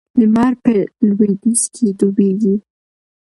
لمر په لویدیځ کې ډوبیږي.